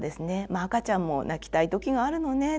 「まあ赤ちゃんも泣きたい時があるのね。